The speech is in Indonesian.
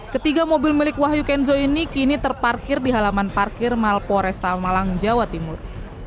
ketiga mobil milik wahyu kenzo ini kini terparkir di halaman parkir malporesta malang jawa timur